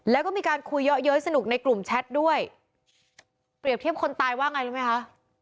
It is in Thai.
แล้วก็มีการคุยเยอะเย้ยสนุกในกลุ่มแชทด้วยเปรียบเทียบคนตายว่าไงรู้ไหมคะ